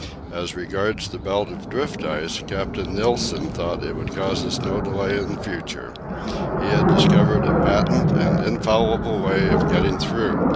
As regards the belt of drift ice, Captain Nilsen thought that would cause us no delay in future. He had discovered a patent and infallible way of getting through!